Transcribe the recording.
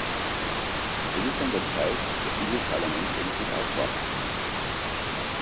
Es ist an der Zeit, dass dieses Parlament endlich aufwacht.